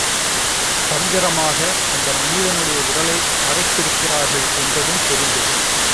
தந்திரமாக அந்த மனிதனுடைய உடலை மறைத்திருக்கிறார்கள் என்பதும் தெரிந்தது.